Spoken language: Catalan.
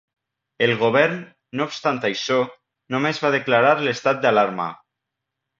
El govern, no obstant això, només va declarar l'estat d'alarma.